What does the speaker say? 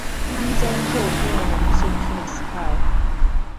Nyinza ntya okwewandiisa okufuna sikaala?